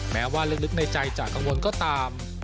แม้ว่าลึกในใจจะกังวลก็ตาม